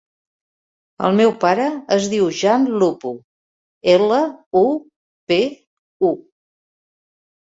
El meu pare es diu Jan Lupu: ela, u, pe, u.